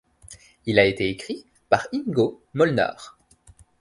Il a été écrit par Ingo Molnár.